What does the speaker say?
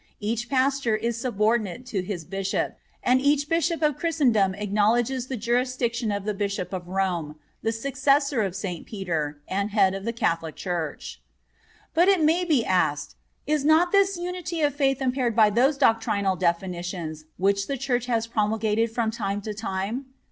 Each Pastor is subordinate to his Bishop, and each Bishop of Christendom acknowledges the jurisdiction of the Bishop of Rome, the successor of St. Peter, and Head of the Catholic Church. But it may be asked, is not this unity of faith impaired by those doctrinal definitions which the Church has promulgated from time to time?